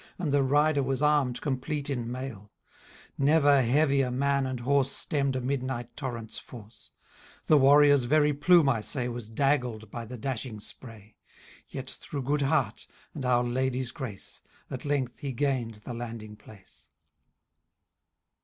And the rider was armed complete in mail ; Never heavier man and horse Stemm'd a midnight torrentVi force. The warrior's very plume, I say. Was daggled by the dashing spray ; Yet, through good heart, and Our Ladye's gracei. At length he gain'd the landing place.